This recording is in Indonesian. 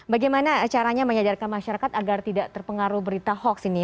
bagaimana caranya menyadarkan masyarakat agar tidak terpengaruh berita hoax ini